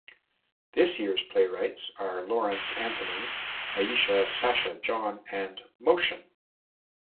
This year's playwrights are Laurence Anthony, Aisha Sasha John and Motion.